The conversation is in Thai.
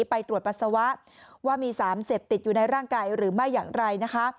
ไปตรวจปัสสาวะว่ามีสารเสพติดอยู่ในร่างกายหรือไม่อย่างไรนะคะ